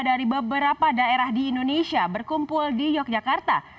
dari beberapa daerah di indonesia berkumpul di yogyakarta